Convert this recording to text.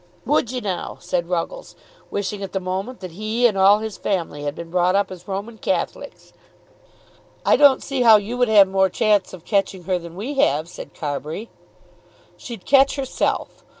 "Would ye now?" said Ruggles, wishing at the moment that he and all his family had been brought up as Roman Catholics. "I don't see how you would have more chance of catching her than we have," said Carbury. "She'd catch herself.